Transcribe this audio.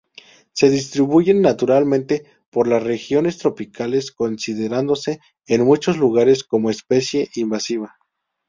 Se distribuye naturalmente por las regiones tropicales, considerándose en muchos lugares como especie invasiva.